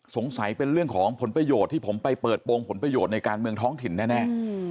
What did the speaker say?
สงสัยเป็นเรื่องของผลประโยชน์ที่ผมไปเปิดโปรงผลประโยชน์ในการเมืองท้องถิ่นแน่